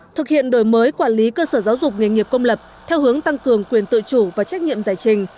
thực hiện đổi mới quản lý cơ sở giáo dục nghề nghiệp công lập theo hướng tăng cường quyền tự chủ và trách nhiệm giải trình